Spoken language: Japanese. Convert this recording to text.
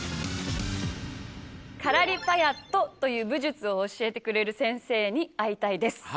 カラリパヤットという武術を教えてくれる先生に会いたいです。